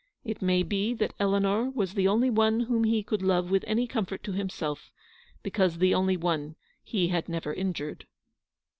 It may be that Eleanor was the only one whom he could love with any comfort to himself, because the only one he had never injured.